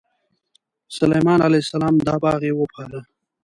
سلیمان علیه السلام دا باغ یې وپاله.